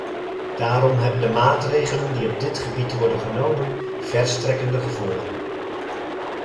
Daarom hebben de maatregelen die op dit gebied worden genomen, verstrekkende gevolgen.